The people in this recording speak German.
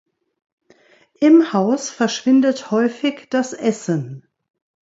Im Haus verschwindet häufig das Essen.